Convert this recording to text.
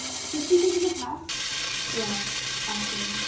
Did she think of the past? Yes, often.